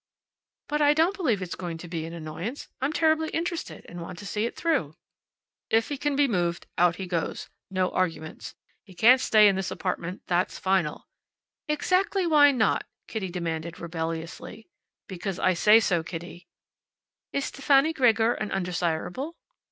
"But I don't believe it's going to be an annoyance. I'm terribly interested, and want to see it through." "If he can be moved, out he goes. No arguments. He can't stay in this apartment. That's final." "Exactly why not?" Kitty demanded, rebelliously. "Because I say so, Kitty." "Is Stefani Gregor an undesirable?"